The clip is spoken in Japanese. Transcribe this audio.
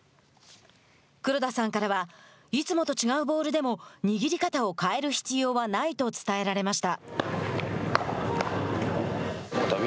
黒田さんからはいつもと違うボールでも握り方を変える必要はないと伝えられました。